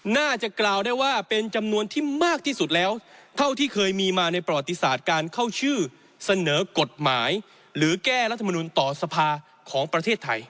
น่าจะกล่าวได้ว่าเป็นจำนวนที่มากที่สุดแล้วเท่าที่เคยมีมาในประวัติศาสตร์การเข้าชื่อเสนอกฎหมายหรือแก้รัฐมนุนต่อสภาของประเทศไทย